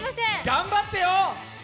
頑張ってよ！